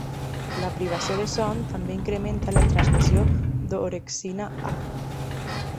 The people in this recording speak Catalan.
La privació de son també incrementa la transmissió d'orexina-A.